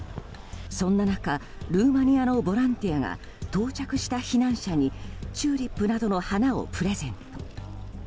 そんな中ルーマニアのボランティアが到着した避難者にチューリップなどの花をプレゼント。